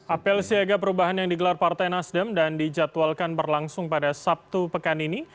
apel siaga perubahan yang digelar partai nasdem dan dijadwalkan berlangsung pada sabtu pekan ini